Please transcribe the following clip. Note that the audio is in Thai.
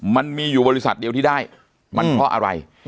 มันมีอยู่บริษัทเดียวที่ได้มันเพราะอะไร